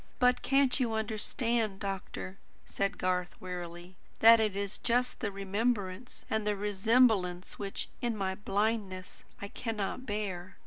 "But can't you understand, doctor," said Garth wearily, "that it is just the remembrance and the resemblance which, in my blindness, I cannot bear?